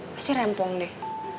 pasti rempong deh